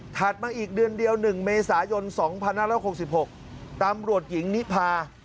มาอีกเดือนเดียว๑เมษายน๒๕๖๖ตำรวจหญิงนิพา